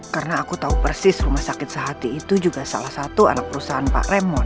karena aku tahu persis rumah sakit sehati itu juga salah satu anak perusahaan pak remon